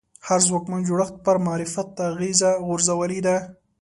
هر ځواکمن جوړښت پر معرفت اغېزه غورځولې ده